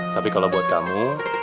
tapi kalau buat kamu